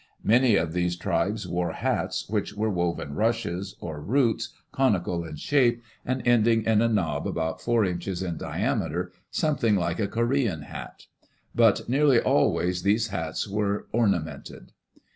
Many of these tribes wore hats, which were woven rushes, or roots, conical in shape, and ending in a knob about four inches in diameter, something like a Corean hat. But nearly always these hats were ornamented.